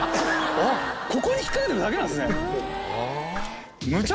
あっここに引っ掛けてるだけなんですね。